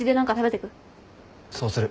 そうする。